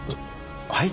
はい？